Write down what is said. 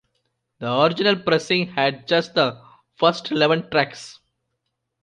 The original pressing had just the first eleven tracks.